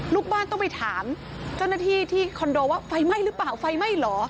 ลูกบ้านต้องไปถามเจ้าหน้าที่ที่คอนโดว่าไฟไหม้หรือเปล่าไฟไหม้เหรอ